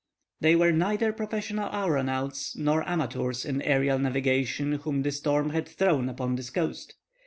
They were neither professional aeronauts nor amateurs in aerial navigation whom the storm had thrown upon this coast.